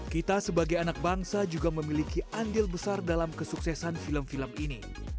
kita sebagai anak bangsa juga memiliki andil besar dalam kesuksesan film film ini